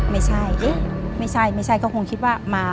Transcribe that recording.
ไม่ใช่เอ๊ะไม่ใช่ไม่ใช่ก็คงคิดว่ามา